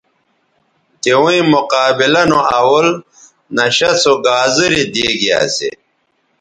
تویں مقابلہ نو اول نشہ سو گازرے دیگے اسے